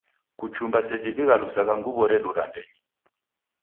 Kuchumba seji dighalusagha nguw'o redu ra ndenyi